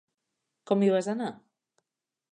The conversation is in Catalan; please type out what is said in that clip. Com hi vas anar?